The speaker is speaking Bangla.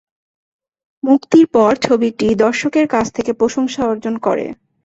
মুক্তির পর ছবিটি দর্শকদের কাছ থেকে প্রশংসা অর্জন করে।